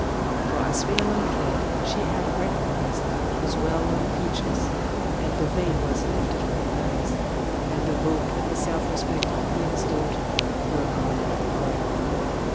For as Philammon fled she had recognised those well known features; and the veil was lifted from her eyes, and the hope and the self respect of Theon's daughter were gone for ever.